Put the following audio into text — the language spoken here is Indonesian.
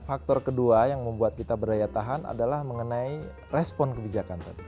faktor kedua yang membuat kita berdaya tahan adalah mengenai respon kebijakan tadi